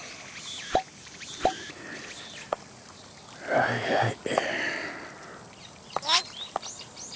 はいはい。